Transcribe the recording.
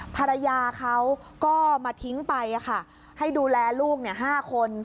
ภรรยาเขาก็มาทิ้งไปให้ดูแลลูก๕คน